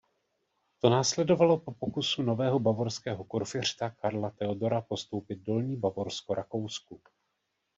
To následovalo po pokusu nového bavorského kurfiřta Karla Teodora postoupit Dolní Bavorsko Rakousku.